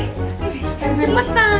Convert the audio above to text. ih jangan jangan